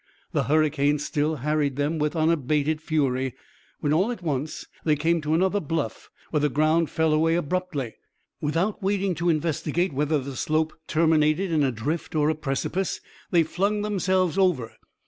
The hurricane still harried them with unabated fury, when all at once they came to another bluff where the ground fell away abruptly. Without waiting to investigate whether the slope terminated in a drift or a precipice, they flung themselves over.